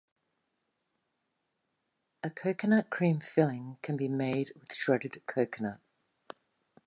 A coconut cream filling can be made with shredded coconut.